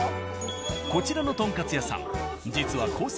こちらのとんかつ屋さん